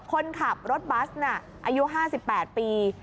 คนขับรถบัสน่ะอายุ๕๘ปี